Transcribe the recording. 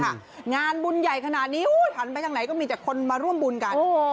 งานบุญใหญ่ขนาดนี้หันไปทางไหนก็มีแต่คนมาร่วมบุญกัน